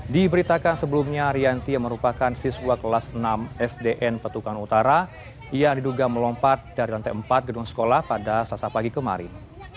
diberitakan sebelumnya rianti yang merupakan siswa kelas enam sdn petukan utara yang diduga melompat dari lantai empat gedung sekolah pada selasa pagi kemarin